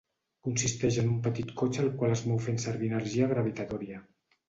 Consisteix en un petit cotxe el qual es mou fent servir energia gravitatòria.